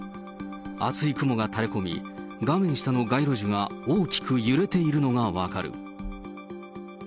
厚い雲が垂れ込み、画面下の街路樹が大きく揺れているのが分かる。